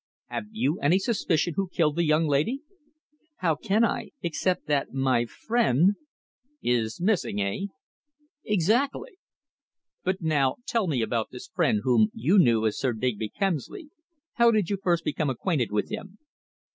"Have you any suspicion who killed the young lady?" "How can I have except that my friend " "Is missing eh?" "Exactly." "But now, tell me all about this friend whom you knew as Sir Digby Kemsley. How did you first become acquainted with him?"